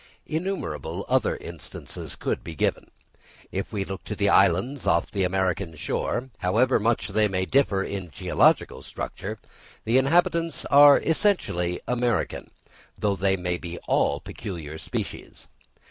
Innumerable other instances could be given. If we look to the islands off the American shore, however much they may differ in geological structure, the inhabitants are essentially American, though they may be all peculiar species.